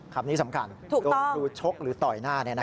ครับนี่สำคัญโดนครูชกหรือต่อยหน้าเนี่ยนะคะ